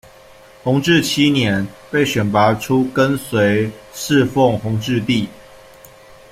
弘治七年，被选拔出跟随侍奉弘治帝。